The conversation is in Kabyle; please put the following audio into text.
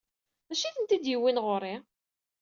D acu ay tent-id-yewwin ɣer-i?